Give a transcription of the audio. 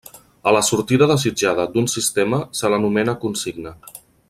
A la sortida desitjada d'un sistema se l'anomena consigna.